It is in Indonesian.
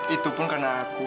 itu pun karena aku